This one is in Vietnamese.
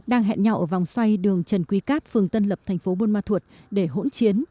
đang hẹn nhau ở vòng xoay đường trần quy cát phường tân lập thành phố bông ma thuột để hỗn chiến